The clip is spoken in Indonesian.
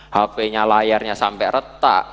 hp nya layarnya sampai retak